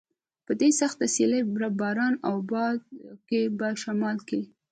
په دې سخته سیلۍ، باران او باد کې په شمال کې.